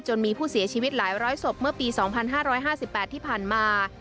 มีผู้เสียชีวิตหลายร้อยศพเมื่อปี๒๕๕๘ที่ผ่านมา